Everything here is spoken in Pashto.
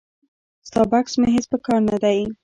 ستا بکس مې هیڅ په کار نه دی.